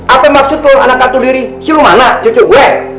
apa maksud lo anak kakak tahu diri si rumana cucu gue